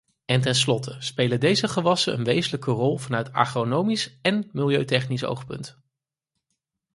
En ten slotte spelen deze gewassen een wezenlijke rol vanuit agronomisch en milieutechnisch oogpunt.